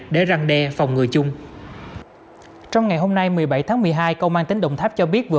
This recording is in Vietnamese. để răng đe phòng ngừa chung trong ngày hôm nay một mươi bảy tháng một mươi hai công an tỉnh đồng tháp cho biết vừa